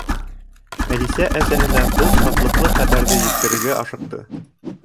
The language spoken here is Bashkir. Әнисә әсәһенә был шатлыҡлы хәбәрҙе еткерергә ашыҡты.